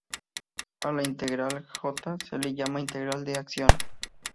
A la integral J se le llama integral de acción.